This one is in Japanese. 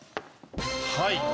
はい。